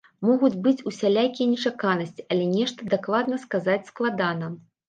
Могуць быць усялякія нечаканасці, але нешта дакладна сказаць складана.